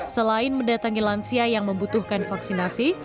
selain mendatangi lansia yang membutuhkan vaksinasi